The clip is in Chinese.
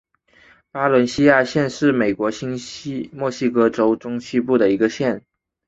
巴伦西亚县是美国新墨西哥州中西部的一个县。